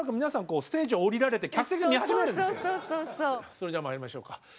それじゃあまいりましょうか。